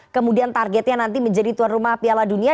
kemudian targetnya nanti menjadi tuan rumah piala dunia